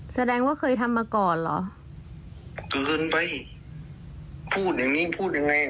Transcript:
แสดงว่าเคยทำมาก่อนเหรอเกินไปพูดอย่างงี้พูดยังไง